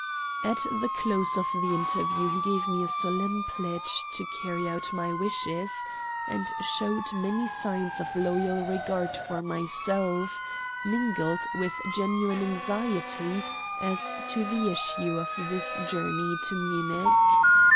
At the close of the interview he gave me a solemn pledge to carry out my wishes, and showed many signs of loyal regard for myself, mingled with genuine anxiety as to the issue of this journey to Munich.